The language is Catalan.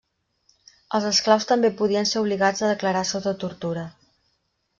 Els esclaus també podien ser obligats a declarar sota tortura.